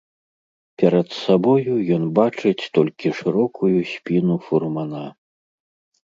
Перад сабою ён бачыць толькі шырокую спіну фурмана.